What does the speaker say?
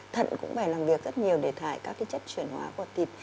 thận cũng phải làm việc rất nhiều để thải các chất chuyển hóa của thịt